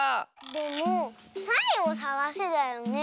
でも「サイをさがせ」だよね？